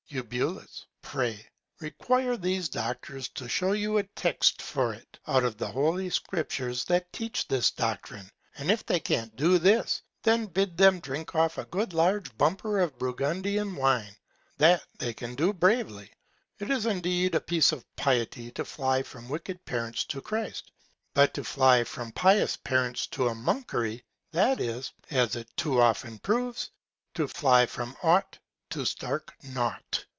Eu. Pray, require these Doctors to shew you a Text for it, out of the holy Scriptures, that teach this Doctrine; but if they can't do this, bid them drink off a good large Bumper of Burgundian Wine: That they can do bravely. It is indeed a Piece of Piety to fly from wicked Parents to Christ: But to fly from pious Parents to a Monkery, that is (as it too often proves) to fly from ought to stark naught.